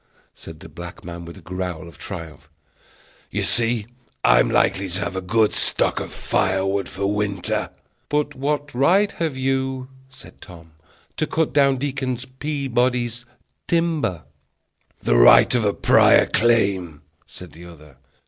said the black man, with a growl of triumph. "You see I am likely to have a good stock of firewood for winter." "But what right have you," said Tom, "to cut down Deacon Peabody's timber?" "The right of a prior claim," said the other.